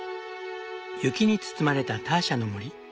雪に包まれたターシャの森。